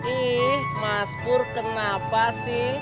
ih mas bur kenapa sih